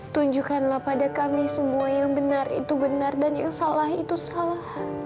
tunjukkanlah pada kami semua yang benar itu benar dan yang salah itu salah